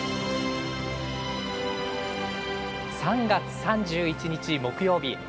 ３月３１日木曜日。